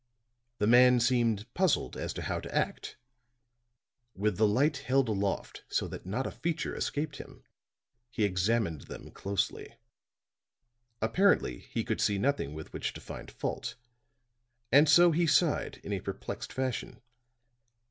The man seemed puzzled as to how to act. With the light held aloft so that not a feature escaped him, he examined them closely. Apparently he could see nothing with which to find fault; and so he sighed in a perplexed fashion.